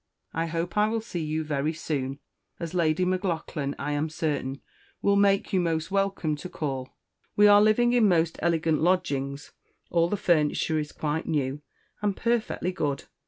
I hope I will see you Very soon, as Lady M'Laughlan, I am certain, will Make you most Welcome to call. We are living in Most elegant Lodgings all the Furniture is quite New, and perfectly Good.